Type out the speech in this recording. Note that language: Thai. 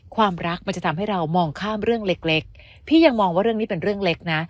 ความรักมันจะทำให้เรามองข้ามเรื่องเล็กพี่ยังมองว่าเรื่องนี้เป็นเรื่องเล็กนะ